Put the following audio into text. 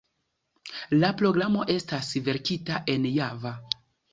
La programo estas verkita en Java.